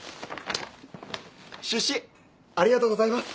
出資ありがとうございます！